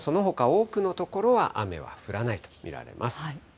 ただ、そのほか多くの所は雨は降らないと見られます。